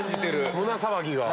胸騒ぎは。